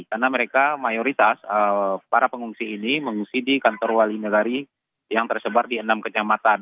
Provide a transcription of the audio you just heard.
karena mereka mayoritas para pengungsi ini mengungsi di kantor wali negari yang tersebar di enam kenyamatan